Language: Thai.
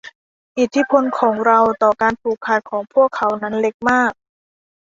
อิทธิพลของเราต่อการผูกขาดของพวกเขานั้นเล็กมาก